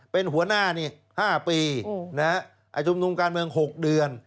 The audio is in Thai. เป็นหัวหน้านี่๕ปีชุมนุมการเมือง๖เดือน